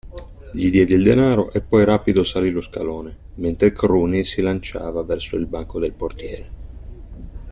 Gli diede il denaro e poi rapido salì lo scalone, mentre Cruni si lanciava verso il banco del portiere.